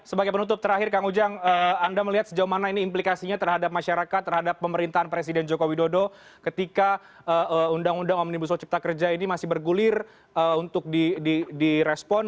sebagai penutup terakhir kang ujang anda melihat sejauh mana ini implikasinya terhadap masyarakat terhadap pemerintahan presiden joko widodo ketika undang undang omnibus law cipta kerja ini masih bergulir untuk direspon